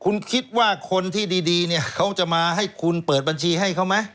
คุณคิดว่าคนที่ดีเนี่ยเขาจะมาให้คุณเปิดบัญชีให้เขาไหม